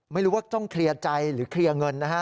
ไม่รู้ว่าต้องเคลียร์ใจหรือเคลียร์เงินนะฮะ